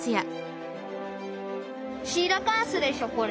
シーラカンスでしょこれ！